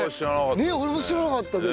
ねっ俺も知らなかったけど。